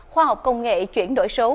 khoa học công nghệ chuyển đổi số